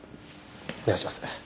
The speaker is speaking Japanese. お願いします。